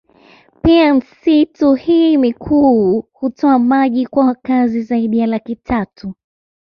Pia misitu hii mikuu hutoa maji kwa wakazi zaidi ya laki tatu